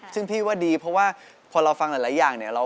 ซึ่งพี่ว่าดีเพราะว่าพอเราฟังหลายอย่างเนี่ย